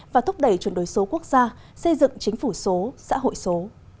và thúc đẩy chuyển đổi số quốc gia xây dựng chính phủ số xã hội số